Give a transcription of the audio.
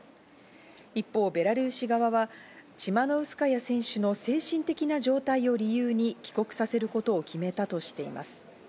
一方、ベラルーシ側はチマノウスカヤ選手の精神的な状態を理由に帰国させることを決めたとしています。